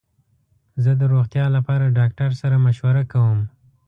زه د روغتیا لپاره ډاکټر سره مشوره کوم.